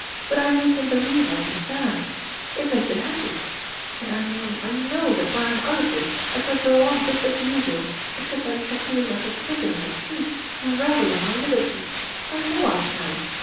But I make him believe I understand. It makes him happy. And I know, I know, that when I am out of this, I shall go on just as usual, except that I shall feel like a prisoner escaped, and revel in my liberty. I know I shall.